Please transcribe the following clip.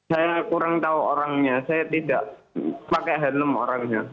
saya kurang tahu orangnya saya tidak pakai helm orangnya